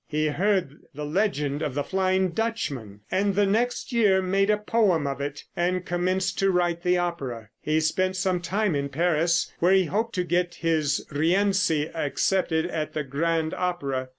He heard the legend of the Flying Dutchman, and the next year made a poem of it and commenced to write the opera. He spent some time in Paris, where he hoped to get his "Rienzi" accepted at the Grand Opera.